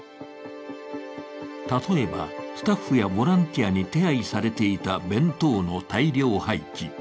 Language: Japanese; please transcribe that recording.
例えばスタッフやボランティアに手配されていた弁当の大量廃棄。